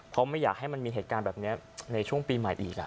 เพราะไม่อยากให้มันมีเหตุการณ์แบบนี้ในช่วงปีใหม่อีก